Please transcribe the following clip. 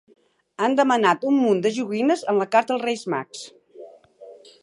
Han demanat un munt de joguines en la carta als Reis mags.